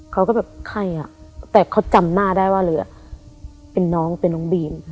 เขาก็แบบใครอ่ะแต่เขาจำหน้าได้ว่าเรือเป็นน้องเป็นน้องบีม